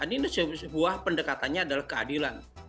ini sebuah pendekatannya adalah keadilan